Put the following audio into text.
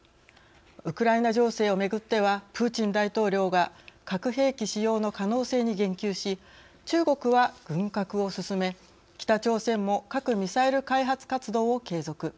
ウクライナ情勢をめぐってはプーチン大統領が核兵器使用の可能性に言及し中国は軍拡を進め北朝鮮も核ミサイル開発活動を継続。